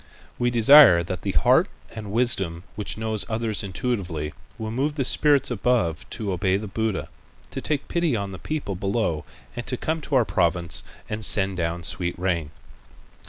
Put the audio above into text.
We desire that the heart and wisdom which knows others intuitively will move the spirits above to obey the Buddha, to take pity on the people below and to come to our province and send down sweet rain."